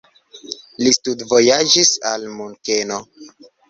Li studvojaĝis al Munkeno.